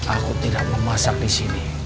aku tidak memasak di sini